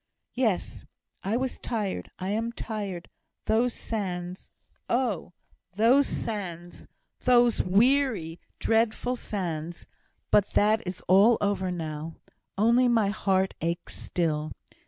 "Yes! I was tired. I am tired. Those sands oh! those sands, those weary, dreadful sands! But that is all over now. Only my heart aches still.